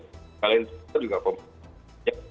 kalian juga pemerintah